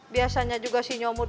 biasanya juga si nyomut